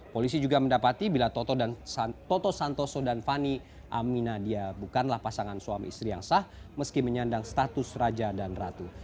polisi juga mendapati bila toto dan toto santoso dan fani aminadia bukanlah pasangan suami istri yang sah meski menyandang status raja dan ratu